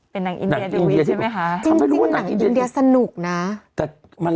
ตอนต่อไปตอนต่อไป